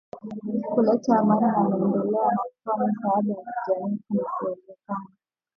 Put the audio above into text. kuleta amani na maendeleo na kutoa misaada ya kijamii Kuna uwezekano